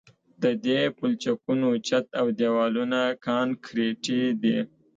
د دې پلچکونو چت او دیوالونه کانکریټي دي